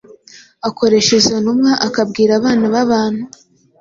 Akoresha izo ntumwa akabwira abana b’abantu